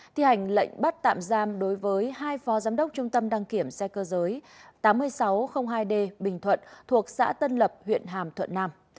thi hành lệnh bắt tạm giam đối với hai phó giám đốc trung tâm đăng kiểm xe cơ giới tám nghìn sáu trăm linh hai d bình thuận thuộc xã tân lập huyện hàm thuận nam